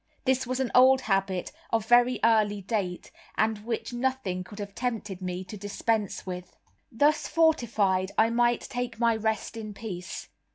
This was an old habit, of very early date, and which nothing could have tempted me to dispense with. Thus fortifed I might take my rest in peace.